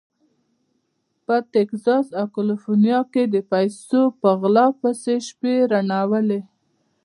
په تګزاس او کالیفورنیا کې د پیسو په غلا پسې شپې روڼولې.